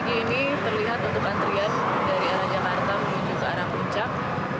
ini terlihat untuk antrian dari arah jakarta menuju ke arah puncak